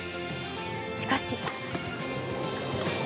しかし。